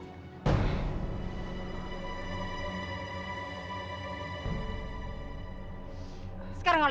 sekarang kalian pergi pergi